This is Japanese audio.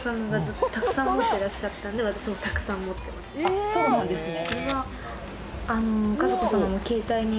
あっそうなんですね